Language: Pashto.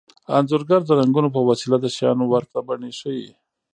انځورګر د رنګونو په وسیله د شیانو ورته بڼې ښيي